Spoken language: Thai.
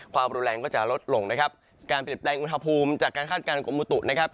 ความรุนแรงก็จะลดลงนะครับการเปลี่ยนแปลงอุณหภูมิจากการคาดการณกรมบุตุนะครับ